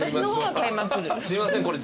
すいません。